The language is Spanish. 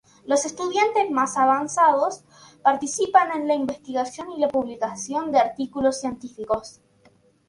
Los estudiantes más avanzados participan en la investigación y la publicación de artículos científicos.